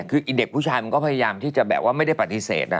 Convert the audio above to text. คือเด็กผู้ชายมันก็พยายามที่จะแบบว่าไม่ได้ปฏิเสธนะ